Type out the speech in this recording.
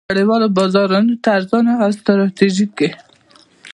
نړیوالو بازارونو ته ارزانه او ستراتیژیکې